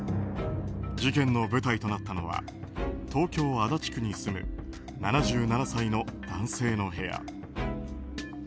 事件の舞台となったのは東京・足立区に住む７７歳の男性の部屋。